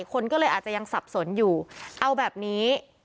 คนก็เลยอาจจะยังสับสนอยู่เอาแบบนี้